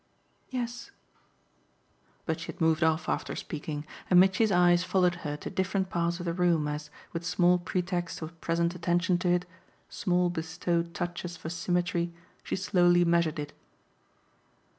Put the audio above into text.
"Yes." But she had moved off after speaking, and Mitchy's eyes followed her to different parts of the room as, with small pretexts of present attention to it, small bestowed touches for symmetry, she slowly measured it.